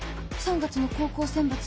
「３月の高校選抜」。